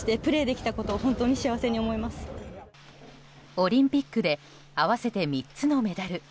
オリンピックで合わせて３つのメダル。